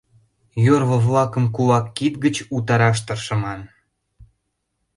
Йорло-влакым кулак кид гыч утараш тыршыман.